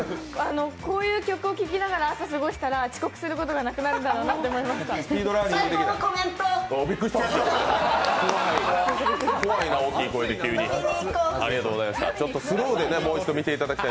こういう曲を聞きながら朝過ごしたら遅刻することがなくなるんだなと思いました。